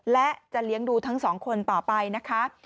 และจะเลี้ยงดูทั้งสองคนต่อไปนะคะ